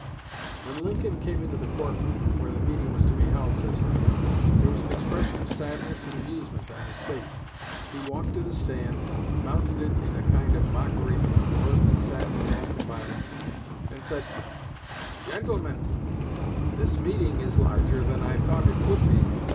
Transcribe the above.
"When Lincoln came into the court room where the meeting was to be held," says Herndon, "there was an expression of sadness and amusement on his face. He walked to the stand, mounted it in a kind of mockery mirth and sadness all combined and said, 'Gentlemen, this meeting is larger than I thought it would be.